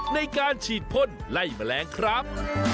ในการฉีดพ่นไล่แมลงครับ